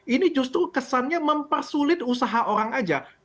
ini justru kesannya mempersulit usaha orang aja